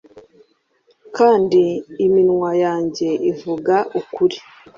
kandi iminwa yanjye ivuga ukuri